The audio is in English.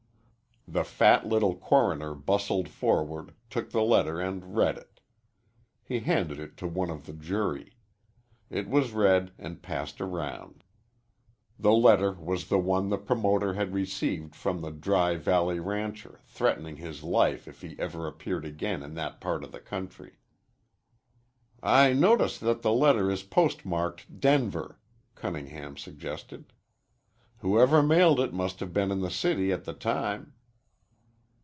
The fat little coroner bustled forward, took the letter, and read it. He handed it to one of the jury. It was read and passed around. The letter was the one the promoter had received from the Dry Valley rancher threatening his life if he ever appeared again in that part of the country. "I notice that the letter is postmarked Denver," Cunningham suggested. "Whoever mailed it must have been in the city at the time."